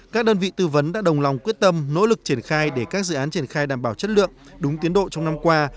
các đơn vị tư vấn đã đồng lòng quyết tâm nỗ lực triển khai để các dự án triển khai đảm bảo chất lượng đúng tiến độ trong năm qua